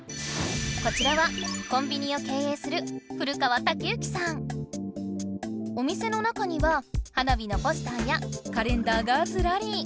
こちらはコンビニをけいえいするお店の中には花火のポスターやカレンダーがずらり。